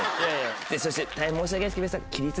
そして大変申し訳ないんですけど皆さん。